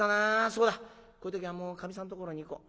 そうだこういう時はもうかみさんところに行こう。